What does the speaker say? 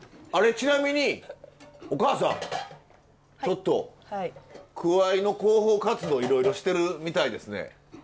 ちなみにお母さんちょっとくわいの広報活動いろいろしてるみたいですね。